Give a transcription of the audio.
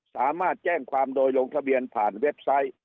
สามารถแจ้งความโดยลงทะเบียนผ่านเว็บไซต์